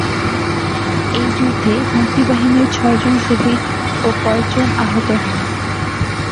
এই যুদ্ধে মুক্তিবাহিনীর ছয়জন শহীদ ও কয়েকজন আহত হন।